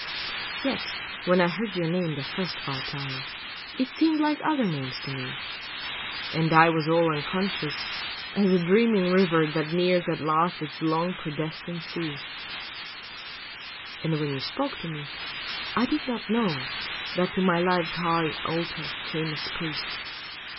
Yet when I heard your name the first far time It seemed like other names to me, and I Was all unconscious, as a dreaming river That nears at last its long predestined sea; And when you spoke to me, I did not know That to my life's high altar came its priest.